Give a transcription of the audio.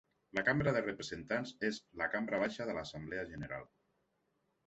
La Cambra de representants és la cambra baixa de l'Assemblea general.